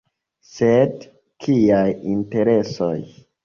Sed kiaj interesoj?